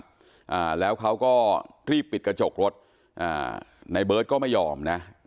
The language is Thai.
อ่าแล้วเขาก็รีบปิดกระจกรถอ่าในเบิร์ตก็ไม่ยอมนะ